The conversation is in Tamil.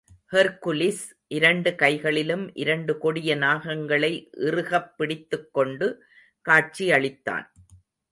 ஹெர்க்குலிஸ் இரண்டு கைகளிலும் இரண்டு கொடிய நாகங்களை இறுகப் பிடித்துக் கொண்டு காட்சியளித்தான்.